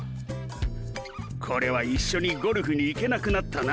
これは一緒にゴルフに行けなくなったな。